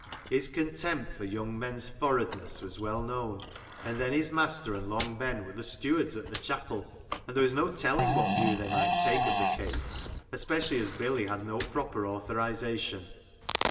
His contempt for young men's " forradness " was well known, and then his master and Long Ben were the stewards at the chapel, and there was no telling what view they might take of the case, especially as Billy had no proper authorisation.